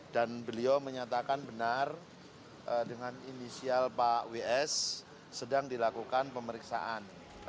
dan beliau menyatakan benar dengan inisial pak ws sedang dilakukan pemeriksaan